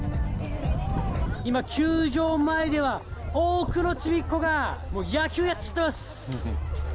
今、球場前では、多くのちびっ子が、もう野球やっちゃってます。